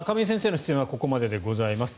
亀井先生の出演はここまででございます。